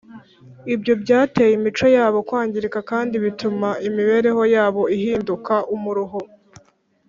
ibyo byateye imico yabo kwangirika kandi bituma imibereho yabo ibahindukira umuruho